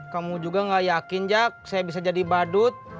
kamu juga gak yakin jak saya bisa jadi badut